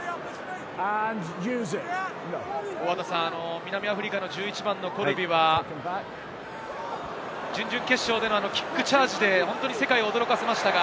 南アフリカの１１番のコルビは準々決勝でのキックチャージで世界を驚かせました。